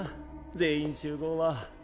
全員集合は。